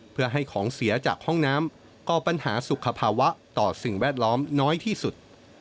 เพื่อให้ของเสียจากห้องน้ำก่อปัญหาสุขภาวะต่อสิ่งแวดล้อมน้อยที่สุด